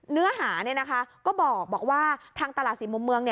เนื้อหาก็บอกว่าทางตลาดสี่มุมเมือง